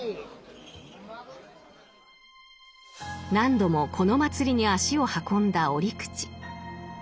何度もこの祭りに足を運んだ折口。